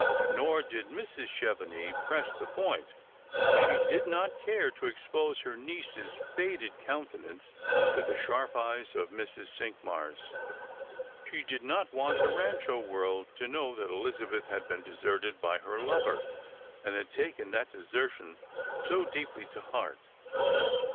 Nor did Mrs. Chevenix press the point; she did not care to expose her niece's faded couuteuance to the shnrp ey^s o{ 226 Strangers and JPilgrims. Mrs, Cinqmara. She did not want the Rancho world to kno\f that Elizabeth had been deserted by her lover, and had taken that desertion so deeply to heart.